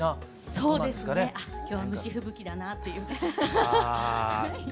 そうですね今日は虫吹雪だなっていうね。